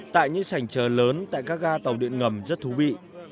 tại những sảnh trờ lớn tại các ga tàu điện ngầm rất thú vị